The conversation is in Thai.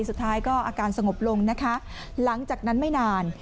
สุดท้ายก็อาการสงบลงนะคะหลังจากนั้นไม่นาน